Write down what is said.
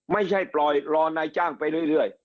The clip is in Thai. ไม่ใช่ปล่อยรอนายจ้างไปเรื่อย